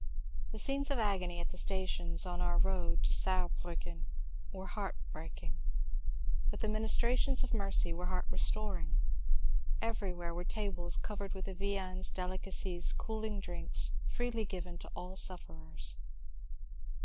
The scenes of agony at the stations on our road to Saar briicken were heart breaking, but the ministrations of mercy were heart restoring. Everywhere were tables covered with the viands, delicacies, cooling drinks, freely given to all sof ferers.